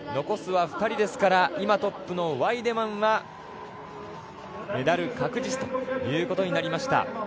残すは２人ですから今トップのワイデマンはメダル確実ということになりました。